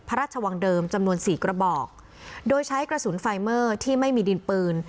พระราชวังเดิมจำนวนสี่กระบอกโดยใช้กระสุนไฟเมอร์ที่ไม่มีดินปืน